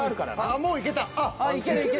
もういける。